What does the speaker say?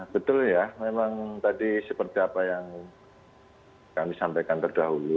betul ya memang tadi seperti apa yang kami sampaikan terdahulu